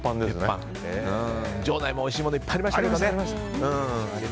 場内も、おいしいものいっぱいありましたけどね。